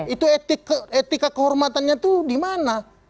itu etika kehormatannya itu di mana